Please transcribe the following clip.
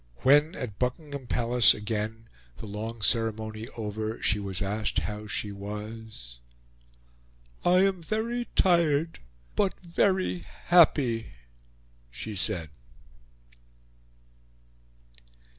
When, at Buckingham Palace again, the long ceremony over, she was asked how she was, "I am very tired, but very happy," she said.